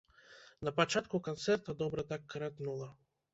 Напачатку канцэрта добра так каратнула.